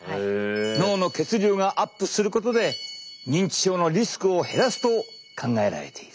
脳の血流がアップすることで認知症のリスクを減らすと考えられている。